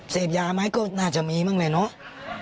เสพยาไหมก็น่าจะมีบ้างแหละเนาะ